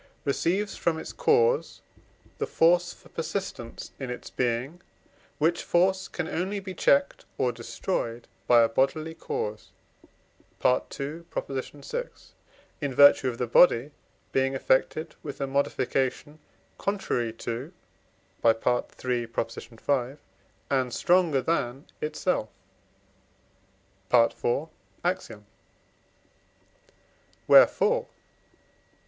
receives from its cause the force for persistence in its being; which force can only be checked or destroyed by a bodily cause (II. vi.), in virtue of the body being affected with a modification contrary to (III. v.) and stronger than itself (IV. Ax.); wherefore (II.